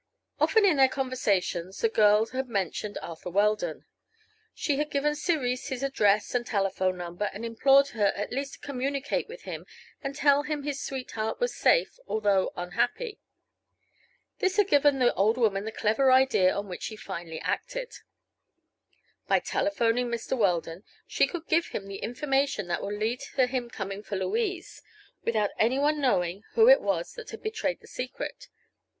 Often in their conversations the girl had mentioned Arthur Weldon. She had given Cerise his address and telephone number, and implored her at least to communicate with him and tell him his sweetheart was safe, although unhappy. This had given the old woman the clever idea on which she finally acted. By telephoning Mr. Weldon she could give him the information that would lead to his coming for Louise, without anyone knowing who it was that had betrayed the secret.